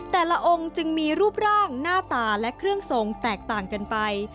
แต่ละองค์จึงมีรูปร่างหน้าตาและเครื่องทรงแตกต่างกันไป